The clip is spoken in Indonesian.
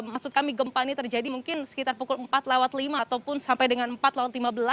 maksud kami gempa ini terjadi mungkin sekitar pukul empat lewat lima ataupun sampai dengan empat lima belas